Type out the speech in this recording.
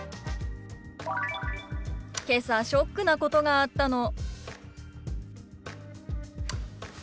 「けさショックなことがあったの」。